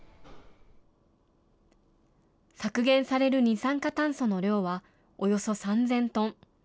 削減される二酸化炭素の量は、およそ３０００トン。